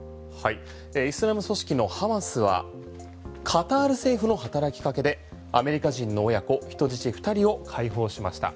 イスラム組織のハマスはカタール政府の働きかけでアメリカ人の親子人質２人を解放しました。